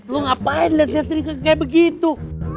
lu ngapain liat liat diri kayak begitu